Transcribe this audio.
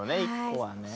１個はね。